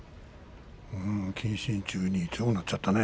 謹慎中に強くなっちゃったね。